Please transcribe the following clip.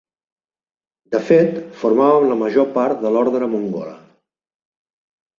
De fet, formaven la major part de l'horda mongola.